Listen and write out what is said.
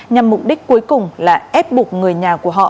nhằm mục đích cuối cùng là ép buộc người nhà của họ